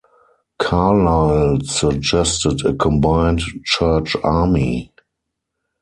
Carlile suggested a combined "Church Army".